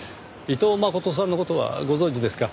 伊藤真琴さんの事はご存じですか？